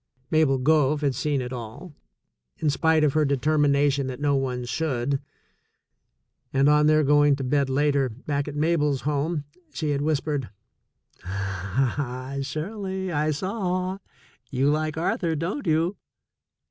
Mabel Gove had seen it all, in spite of her deter mination that no one should, and on their going to bed later, back at Mabel's home, she had whispered : "Ah, Shirley, I saw. You Hke Arthur, don't you?"